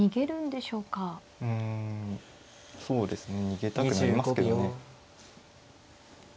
逃げたくなりますけどね。